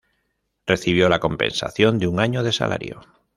Recibió la compensación de un año de salario.